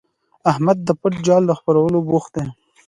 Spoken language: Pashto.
احمد د پټ جال په خپرولو بوخت وو.